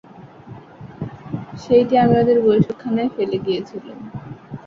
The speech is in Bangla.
সেইটে আমি ওদের বৈঠকখানায় ফেলে গিয়েছিলুম।